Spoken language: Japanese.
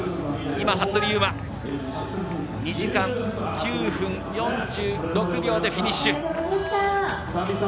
服部勇馬、２時間９分４６秒でフィニッシュ。